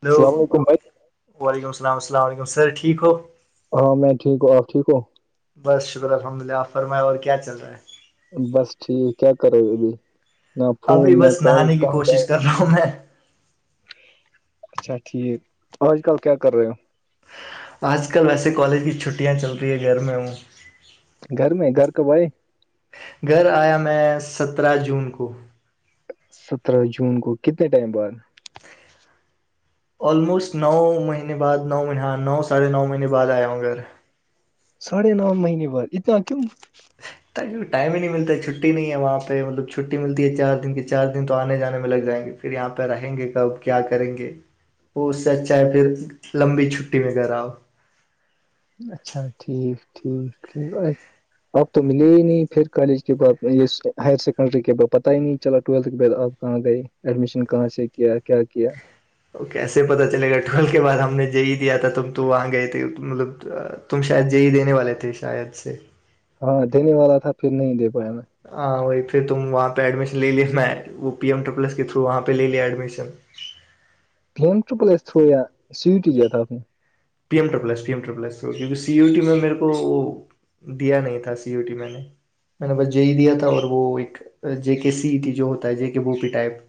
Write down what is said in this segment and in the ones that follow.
hello السلام علیکم بھائی وعلیکم السلام السلام علیکم سر ٹھیک ہو ہاں میں ٹھیک ہوں آپ ٹھیک ہوں بس شکر الحمد للہ آپ فرمائے اور کیا چل رہا ہے بس ٹھیک کیا کرو گ ابھی نہ فون ابھی نہ بس کال نہانے کی کہاں گئے کوشش کر رہا ہوں میں اچھا ٹھیک آج کل کیا کر رہے ہو آج کل ویسے کالج کی چھٹیاں چل رہی ہے گھر میں ہوں [unintelligible] گھر میں گھر کا بھائی گھر آیا میں سترہ جون کو سترہ جون کو کتنے ٹائم بعد آلموسٹ نو مہینے بعد نو مہ نو ساڑھے نو مہینے بعد آیا ہوں گھر ساڑھے نو مہینے بعد اتنا کیوں تاک ٹائم ہی نہیں ملتا چھٹی نہیں ہے وہاں پہ مطلب چھٹی ملتی ہے چار دن کے چار دن تو آنے جانے میں لگ جائیں گے پھر یہاں پہ رہیں گے کب کیا کریں گے وہ اس سے اچ چاہے پھر لمبی چھٹی میں گ آؤ اچھا ٹھیک ٹھیک ٹھیک اپ تو ملے ہی نہیں پھر کالج کے بع یہ ہائر سیکنڈری کے بع پتا ہی نہیں چلا ٹویلتھ کے بعد آپ کہاں گئی ایڈمیشن کہاں سے کیا کیا کیا کیسے پتاہ چلے گا ٹھول کے بعد ہم نے جے ہی دیا تھا ت ہم تو وہاں گئے تھے مطلب تم شاید یہیی دینے والے تھے شاید سے ہاں دینے والا تھا پھر نہیں دے پایا میں ہاں وہی پھر تم وہاں پہ ایڈمیشن لے لے میں پیم ڈ کے تھرو وہاں پہ لے لیا ایڈمیشن پم و پلس تھوڑا سیٹیا تھا اپ میں پی ایم ڈرلس پی ایملسکہ سی و ٹی میں مے کو دیا نہیں تھا سی و ٹی میں نے میں نے بس جے ہی دیا تھا اور وہ ایک جے کے سی تھی جو ہوتا ہے جے کے بو پی ٹائپ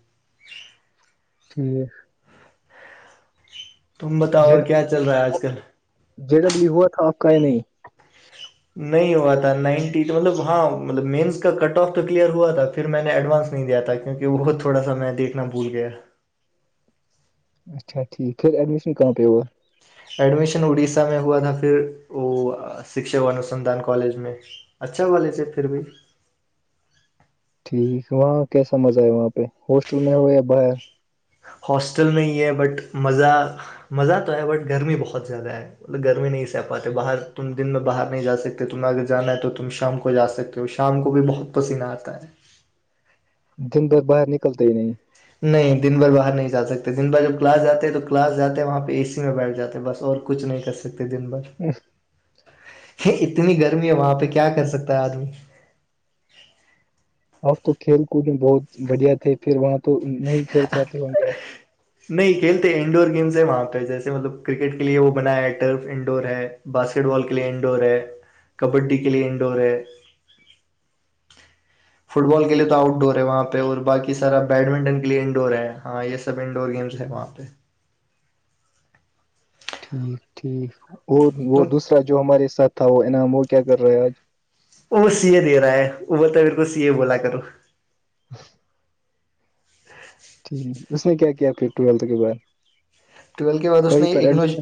ٹھیک تم بتاؤ کیا چل رہا ہے آج کل جے ڈبلیو ہوا تھا آپ کا یا نہیں نہیں ہوا تھا نائنٹی مطلب ہاں مطلب مینس کا کٹ آف تو کلیئر ہوا تھا پھر میں نے ایڈوانس نہیں دیا تھا کیونکہ بہت تھوڑا سا میں دیکھنا بھول گیا اچا ٹھیک پھر ایڈمشن کہاں پ اور ایڈمیشن اڑیسہ میں ہوا تھا پھر وہ شکشا انوسندھان کالج میں اچھا والی سے پھر بھی ٹھیک وہاں کیسا مزہ ہے وہاں پہ ہاسٹل میں ہو یا باہر ہاسٹل نہیں ہے بٹ مزہ مزہ تو ہے بٹ گرمی بہت زیادہ ہے گرمی نہیں سہ پاتے باہر تم دن میں باہر نہیں جا سکتے تمہیں اگر جانا ہے تو تم شام کو جا سکتے شام کو بھی بہت پسینہ آتا ہے دن بھر باہر نکلتے ہی نہیں نہیں دن بھر باہر نہیں جا سکتے دن بھر جب کلاس جاتے ہیں تو کلاس جاتے ہیں وہاں پہ اے سی میں بیٹھ جاتے ہیں بس اور کچھ نہیں کر سکتے دن بھر اتنی گرمی ہے وہاں پہ کیا کر سکتا ہے آدمی اب تو کھیل کود میں بہت بڑھیا تھے پھر وہاں تو نہیں کھیل پاتے ہ گیا نہیں کھیلتے انڈور گیمس ہے وہاں پہ جیسے مطلب کرکٹ کے لیے وہ بنایا ہے ٹرف انڈور ہے باسکٹ بال کے لیے انڈور ہے کبڈی کے لیے انڈور ہے فٹ بال کے لیے تو آؤٹ ڈور ہے وہاں پہ اور بقی سارا بیڈمنٹن کے لیے انڈور ہے ہاں یہ س سب انڈور گیمس ہیں وہاں پہ ٹھیک ٹھیک اور وہ تو دوسرا جو ہمارے ساتھ تھا وہ انعام وہ کیا کر رہا ہے آج وہ وہ سیے دے رہا ہے وہ بولتا میر کو سیے بولا کرو ہاں [inaudible] ٹیک اس نے کیا کیا پھر ٹویلتھ کے بعد ٹویلت کے بعد اس کہیں نہیں پر ایکنو ایڈمٹ،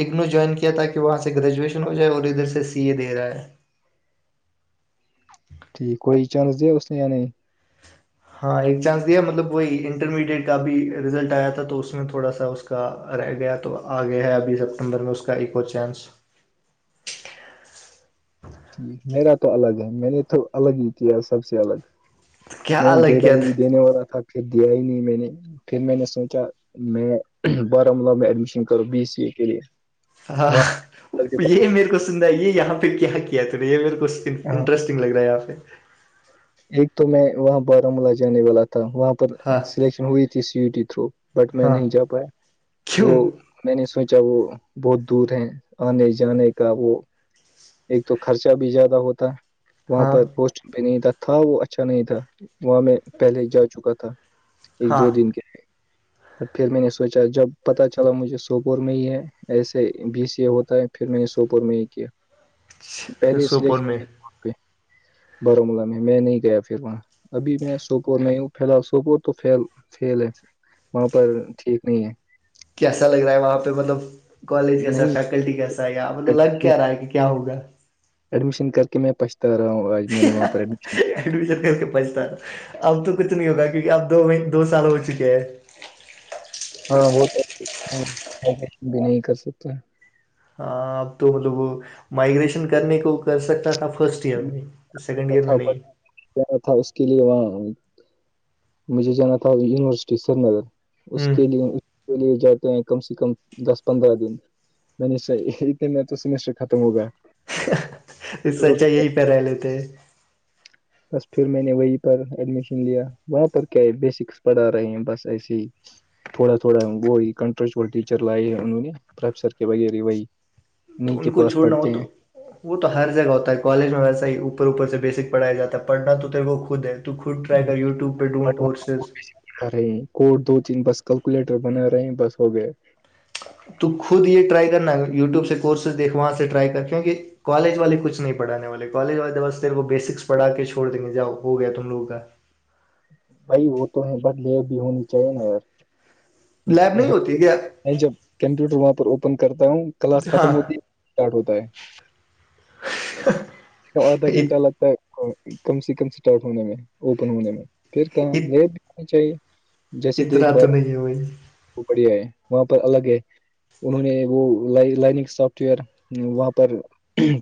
اگنو جوائن کیا تاکہ وہاں سے گریجویشن ہو جائے اور ادھر سے سی اے دے رہا ہے ٹھیک کوئی چانس دے اس نے یع ہاں ایک چانس دیا مطلب وہی انٹرمیڈیٹ کا بھی رزلٹ آیا تھا تو اس میں تھوڑا سا اس کا اس کا رہ گیا تو آگیا ہے ابھی سپٹمبر میں اس کا ایکو چانس میرا تو الگ ہے میں نے تو الگ ہی کیا سب سے الگ کیا میں نے جے الگ کیا ڈبل تھا دینے والا تھا پھر دیا ہی نہیں میں نے پھر میں نے سوچا میں باراملہ میں ایڈمیشن کروں بی سی اے کے لیے ہاں وہاں یہ میرے کو سند یہ یہاں پہ کیا کیا تھا یہ میرے کو ہاں انٹرسٹ لگ رہا ہے آاں پ سے ایک تو میں وہاں بارامولہ جانے والا تھا وہاں پر ہاں سلیکشن ہوئی تھی سی و ٹی تھرو بٹ میں ہاں نہیں جا پایا کیوں وہ میں نے سوچا وہ بہت دور ہے آنے جانے کا وہ ایک تو خرچہ بھی زیادہ ہوتا ہے وہاں ہاں پر پٹ بھی نہیں تھا تھا وہ اچھا نہیں تھا وہاں میں پہلے ہی جا چکا تھا ایک ہاں دو دن کے ہے ب پھر میں نے سوچا جب پتا چلا مجھے سوپور میں ہی ہے ایسے بی سی اے ہوتا ہے پھر میں نے سوپور میں ہی کیا پھر پہلے سوپور سلیکشن ہو میں وہاں پہ بارامولہ میں میں نہیں گیا پھر وہاں ابھی میں سوپور میں ہوں فی الحال سوپور تو فیل ہے وہاں پر ٹھیک نہیں ہے کیسا لگ رہا ہے وہاں پہ مطلب کالج کیسا نہیں فیکلٹی کیسا مطلب لگ ایڈمیشن کیا رہا ہے کہ کیا ہوگا ایڈمیشن کر کے میں پچھتا رہا ہوں آج میں نے وہاں پر ایڈمیشن کیا ایڈمیشن کرک کے پچھتا رہا اب تو کچ نہیں ہوگا کیونکہ اب دو دو سال ہو چکے ہیں ہاں وہ تو کچھ بھی نہیں کر سکتے ہاں اب تو مطلب وہ مائگریشن کرنے کو کر سکتا تھا فرسٹ ایئر میں اس سیکنڈ ایئر میں تھا بٹ نہیں جانا تھا اس کے لیے وہاں مجھے جانا تھا یونیورسٹی سری نگر اس ہوں کے لیے اس کے لیے جاتے ہیں کم سے کم دس پندرہ دن م نےشرت میں تو سمیشر ختم ہوگا سچا یہی پہیرہ لیتے بس پھر میں نے وہیں پر ایڈمیشن لیا وہاں پر کیا بیسکس پڑھا رہے ہیں بس ایسے ہی تھوڑا تھوڑا وہ کنٹرچ ٹیچر لائے انہوں نے پروفیسر کے وغیرہ وہی ن تو ان کے کو پاس چھوڑنا ہو پڑھتے ہیں تو وہ تو ہر جگہ ہوتا ہے کالج میں ویسا ہی اوپر اوپر سے بیسک پڑھیا جاتا ہے پڑھنا تو تیرے کو خود ہے تو خود رائی کر یوٹیوب پہ ڈون کورسز ارے کوڈ دو تین بس کیلکولیٹر بنا رہے ہیں بس ہو گیا تو خود یہ ٹرائی کرنا یوٹیوب سے کورسز دیکھو وہاں سے ٹرائی کر کیونکہ کالج والے کچھ نہیں پڑانے والے کالج والے بس تیر کو بیسکس پڑھا کے چھڑ دیں گے جا ہو گیا تم لگوں کا بھائی وہ تو نہیں ب لی بھی ہونی چاہیے نا یار لیب نہیں ہوتی کیا میں جب کمپیوٹر وہاں پر اوپن کرتا ہوں کلاس ہاں ختم ہوتی ہے اسٹارٹ ہوتا ہے آدھا گھنٹہ ات- لگتا ہے کم سے کم اسٹارٹ ہونے میں اوپن ہونے میں پھر کہاں ات- ریٹ بھی ہونی چاہیے جیسے دیکھ اتنا بال تو نہیں ہے بھائی وہ بڑیا ہے وہاں پر الگ ہے انہوں نے وہ ل لائنگ سافٹ ویئر وہاں پر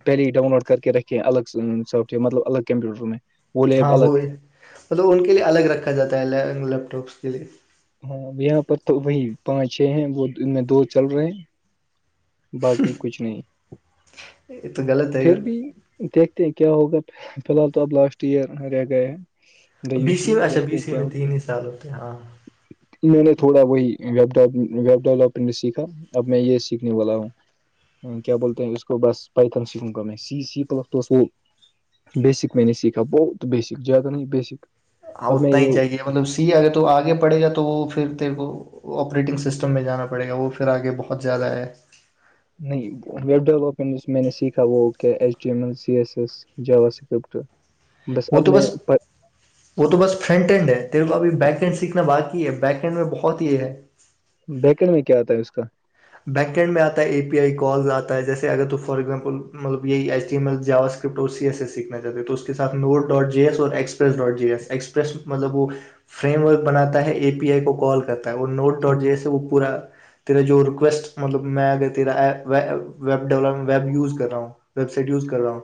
پہلے ہی ڈاؤن لوڈ کر کے رکھے الگ سافٹ ویئر مطلب الگ کمپیوٹر میں ہاں وہ ہے مطلب ان کے لیے الگ رکھا جاتا ہے لیپ ٹاپس کے لیے ہاں یہاں پر تو وہی پانچ چھ ہیں وہ ان میں دو چل رہے ہیں باقی کچھ نہیں یہ تو غلط ہے پھر بھی دیکھتے ہیں کیا ہوگا فی الحال تو اب لاسٹ ایئر رہ گئے بی سی گریجویشن میں اچھا دیکھتے بی ہیں سی کیا میں تین ہی سال ہوتے ہیں ہاں انہوں نے تھوڑا وہی وی ویب ڈیولپٹ سیکھا اب میں یہ سیکھا والا ہوں کیا بولتے اس کو بس پ س بیسک میں نے سیکھا بہت بیسک زیادہ نہیں بیسک ہاں اب میں اتنا ہی یہ چاہیے مطلب سی اگر تو آگے پڑے گا تو وہ پھر تیر کو آپریٹنگ سسٹم میں جانا پڑے گا وہ پھر آگے بہت زیادہ ہے نہیں ویب ڈیولپمنٹ میں نے سیکھا وہ کیا ایچ ڈی ایم ای C S S JavaScript وہ تو بس وہ تو بس فرنٹ ہینڈ ہے تیرے کو ابھی بیک ہینڈ سیکھنا باقی ہے بیک ہینڈ میں بہت یہ ہے بیکڑ میں کیا آتا ہے اس کا بیکینڈ میں آتا ہے اے پی آئی کالز آتا ہے جیے اگر تو فار ایگزامپل مطلب یہی ایچ ڈی ایم ایل جااز سی ایس سے سیکھنا چاہتے ہیں تو اس کے ساتھ نوٹ ڈاٹ جی ایس اور express dot J S express مطلب وہ فریم ورک بناتا ہے اے پی آئی کو کال کرتا ہے اور نوٹ ٹھیک ڈاٹ جیے وہ پورا تیرا جو وٹ مطلب میں اگر تیرا ویب ڈ ویب یوز کر رہا ہوں ویب سائٹ یوز کر رہا ہوں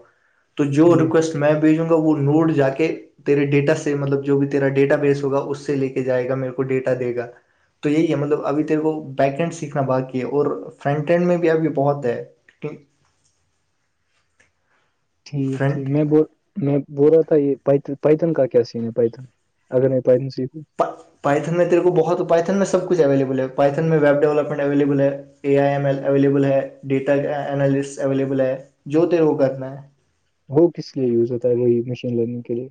تو جو ٹھیک ریکویسٹ میں بھیجوں گا وہ نوٹ جا کے تیرے ڈیٹا سے مطلب جو بھی تیرا ڈیٹا بیس ہوگا اس سے لے کے جائے گا میرے کو ڈیٹا دے گا تو یہی ہے مطلب ابھی تیر وہ بیکینڈ سیکھنا باقی اور فرنٹینڈ میں بھی ابھی بہت ہے ٹھیک ٹھیک فرنٹ میں ب میں بول رہا تھا یہ پیتن کا کیا سین ہے پیتھن اگر میں پیتن سیکھوں پائتن میں تیرے کو بہت پائتن میں سب کچ اویلیبل ہے پائتن میں ویب ڈیولپمنٹ اویلیبل ہے A I M L available ہے ڈیٹا االس اویلیبل ہے جو تیرے کو کرنا ہے وہ کس لیے یوز ہوتا ہے وہی مشین لرننگ کے لیے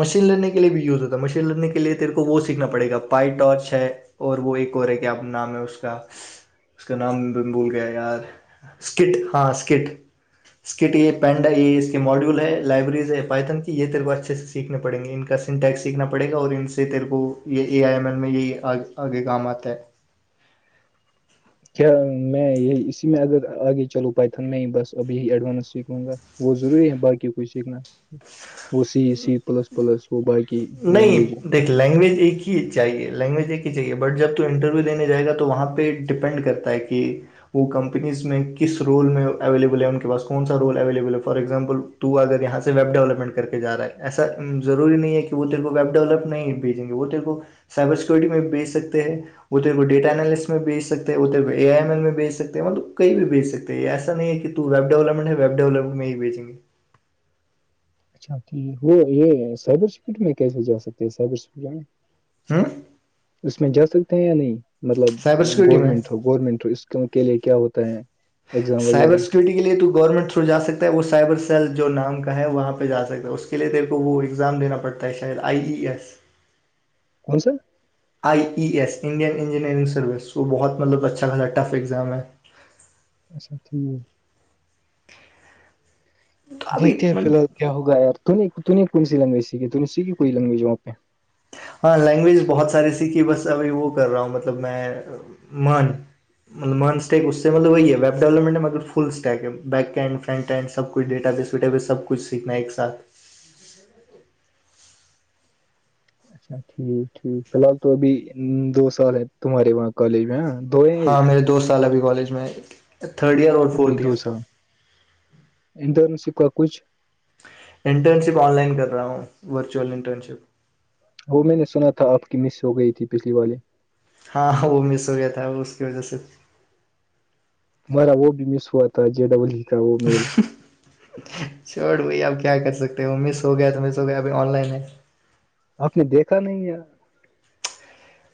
مشین لڑنے کے لیے بھی یوز ہوتا ہے مشین لڑنے کے لیے تیرے کو وہ سیکھنا پڑے گ پائی ٹارچ ہے اور وہ ایک اور ہے کیانا نام ہے اس کا اس کا نام بھول گیا یار اسکٹ ہاں اسکٹ اسکٹ یہ پینڈا یہ اس کے ماڈیولل ہے لائبریز حفائت کی یہ ترو سیکھنے پڑیں گے ان کا سنٹیکس سیکھنا پڑے گا اور ان سے تیرے کو یہ اے آئی ایم ایل میں یہ آگے گاماتات کیا میں یہ اسی میں اگر آگے چلو پائیتن میں بس اب یہی ایڈوانس سیکھوں گا وہ ضروری ہے باقی کوھ سیکھنا وہ سی سی پلس پلس وہ باقی لینگویج نہیں دیکھ لینگویج ایک ہی چاہیے لینگویج ایک ہی چاہیے بٹ جب تو انٹرویو دینے جائے گا تو وہاں پہ ڈیپینڈ کرتے تا کہ وہ کمپنیز میں کس رول میں اویلیبل ہے ان کے پاس کون سا رول اویلیبل ہے فار ایگزامپل اگر یہاں سے ویب ڈیولپمنٹ کر کے جا رہا ہے ایسا ضروری نہیں ہے کہ وہ تل کو ویب ڈیولپ نہیں بھیجیں گے وہ تل کو سائبر سیکورٹی میں بیچ سکتے ہیں ادھر کو ڈیٹا اینالسٹ میں بھیج ستے ہیں ادھر کو ا آئی ایم ایل میں بھی سکتے ہیں مطلب کہئی بھیج سکتے ہیں تو ایسا ہے کہ تو ویب ڈیولپمٹ ہے ویب ڈیولپمنٹ ہی بھیچیں گے اچا وہ یہ سبر سکٹ میں کیسے جا سکتے ہیں سبرکٹ ہاں اس میں جا سکتے ہیں یا نہیں مطلب سائبر سیکورٹی میں گورنمنٹ تھرو گورنمنٹ اس کے لیے کیا ہوتا ہے ایگزام سائبر وغیرہ کےے تو گورنمنٹ تھرو ج سکتا ہے وہ سائبر سل جو نام ہے وہاں پہ جا سکتا ہے اس کے کلے دیر کو وہ ایگزام دینا پڑتا ہے شاید آئی ای ایس کون سا I E S Indian engineering service وہ بہت مطلب اچھا خاصا ٹف ایگزام ہے اچھا ٹھیک تو ابھی دیکتے ہیں فی الال مطلب کیا ہوا یار کونی لینگویج سیکھی ت سیکھی کوئی لینگویج ہے وہاں پہ ہاں لینگویج بہت ساری سیکھی بس ابھی وہ کر رہا ہوں مطلب میں مان م مان اسٹیک اس سے مطلب وہی ہے ویب ڈیولپمنٹ مگر فل اسٹیک ہے بیک ہینڈ فرنٹ ہینڈ س کچھ ڈیٹا بییس ویٹا بیس سب کچھ سیکھنا ہے ایکاتھ اچھا ٹھیک ٹھیک فی الحال تو ابھی دو سال تمہارے وہ کالج میں ہاں دو ہیں ہاں ایک میرے دو سال ابھی کالج میں ہے تھرڈ ایئر اور ابھی فورتھ دو ایئر سال انٹرن شپ کا کچھ انٹرن شپ آن لائن کر رہا ہوں ورچوئل انٹرن شپ وہ میں نے سنا تھا آپ کی مس ہو گئی تھی پچھلی والی ہاںاں وہ مس ہو گیا تھا اس کی وجہ سے ہمارا وہ بھی مس ہوا تھا جے ڈبل ہی کا وہ میل چوٹ بھائی آپ کیا کر سکتے ہو مس ہو گیا تو مس ہو گیا ابھی آن لائن ہے آپ نے دیکھا نہیں ہے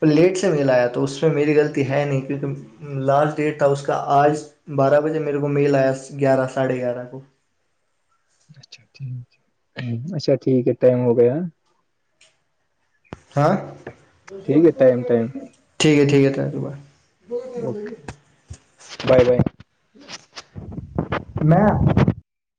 لیٹ سے ملایا تو اس میں میری غلطی ہے نہیں کیونکہ [unintelligible] لاسٹ ڈیٹ تھا اس کا آج بارہ بجے میرے کو میل آیا گیارہ ساڑھے گیارہ کو اچھا ٹھیک ہے اچھا ٹھیک ہے ٹائم ہو گیا ہاں ٹھیک ہے ٹائم ٹائم ٹھیک ہے ٹھیک ہے ت ب اوکے بائے بائے میں [unintelligible]